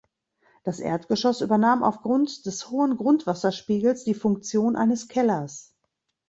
Das Erdgeschoss übernahm aufgrund des hohen Grundwasserspiegels die Funktion eines Kellers.